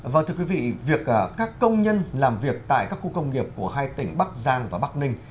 vâng thưa quý vị việc các công nhân làm việc tại các khu công nghiệp của hai tỉnh bắc giang và bắc ninh